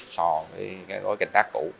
so với các gói canh tác cũ